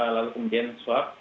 lalu kemudian swab